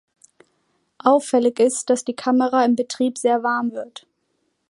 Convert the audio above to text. Auffällig ist, dass die Kamera im Betrieb sehr warm wird.